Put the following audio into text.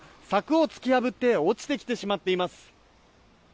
柵を突き破って落ちてきてしまっています。